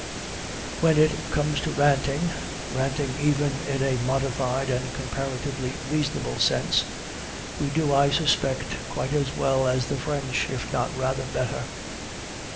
When it comes to ranting ranting even in a modified and comparatively reasonable sense we do, I suspect, quite as well as the French, if not rather better.)